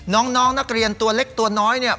น้องนักเรียนตัวเล็กตัวน้อยเนี่ย